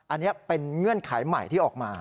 อันนี้เป็นเงื่อนไขใหม่ที่ออกมา